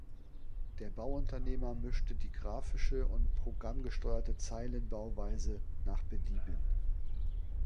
Der Bauunternehmer mischte die graphische und programmgesteuerte Zeilenbauweise nach Belieben.